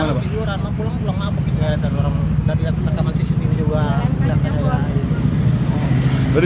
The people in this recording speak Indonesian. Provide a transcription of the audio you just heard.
yang lima ya dari rekaman cctv yang lima dia masuk